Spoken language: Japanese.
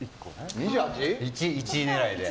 １位狙いで。